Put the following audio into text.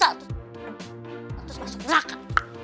terus masuk neraka